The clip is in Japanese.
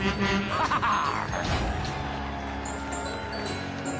ハハハハッ！